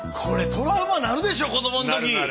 これトラウマなるでしょ子どものとき。